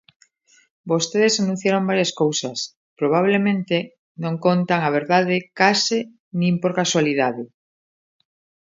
Vostedes anunciaron varias cousas, probablemente non contan a verdade case nin por casualidade.